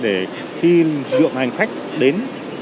để khi dự kiến hành khách đến